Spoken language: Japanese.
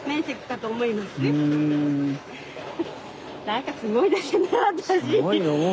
何かすごいですね